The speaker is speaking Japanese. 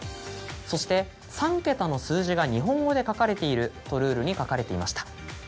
「そして３桁の数字が日本語で書かれている」とルールに書かれていました。